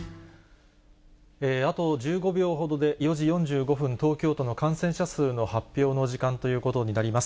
あと１５秒ほどで４時４５分、東京都の感染者数の発表の時間となります。